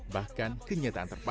bahkan kenyataan tersebut